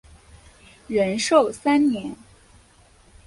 仁寿三年。